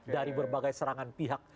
dari berbagai serangan pihak